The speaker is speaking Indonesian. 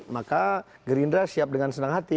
maka gerindra siap dengan senang hati